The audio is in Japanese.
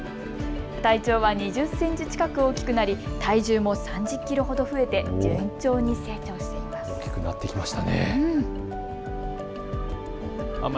体長は２０センチ近く大きくなり、体重も３０キロほど増えて順調に成長しました。